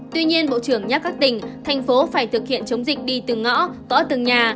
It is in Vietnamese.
tuy nhiên bộ trưởng nhắc các tỉnh thành phố phải thực hiện chống dịch đi từng ngõ gõ từng nhà